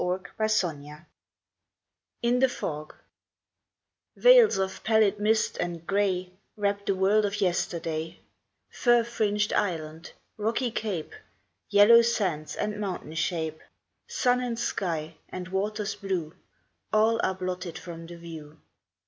IN THE FOG 109 IN THE FOG VEILS of pallid mist and gray Wrap the world of yesterday ; Fir fringed island, rocky cape, Yellow sands, and mountain shape, Sun and sky, and waters blue, All are blotted from the view.